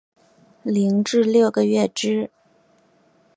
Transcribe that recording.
零至六个月之